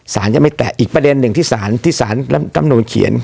สารจะไม่แตะอีกประเด็นหนึ่งที่สารที่สารรัฐมนุนเขียน